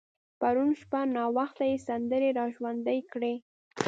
پرون شپه ناوخته يې سندرې را ژوندۍ کړې.